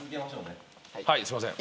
はいすいません。